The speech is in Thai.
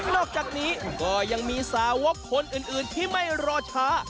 อกจากนี้ก็ยังมีสาวกคนอื่นที่ไม่รอช้า